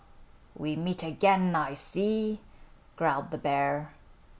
We meet again, I see," growled the bear.